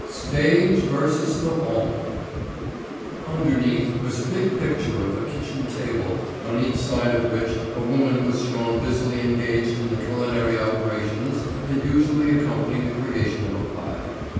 –––– STAGE VERSUS THE HOME –––– Underneath was a big picture of a kitchen table on each side of which a woman was shown busily engaged in the culinary operations that usually accompany the creation of a pie.